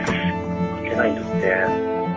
「いけないんだって」。